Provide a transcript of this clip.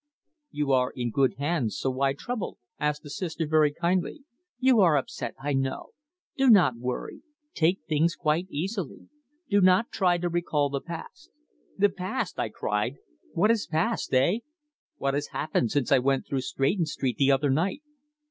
"You are in good hands, so why trouble?" asked the Sister very kindly. "You are upset, I know. Do not worry. Take things quite easily. Do not try to recall the past." "The past!" I cried. "What has passed eh? What has happened since I went through Stretton Street the other night?"